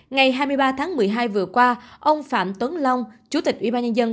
ngày hai mươi ba tháng một mươi hai vừa qua ông phạm tuấn long chủ tịch ủy ban nhân dân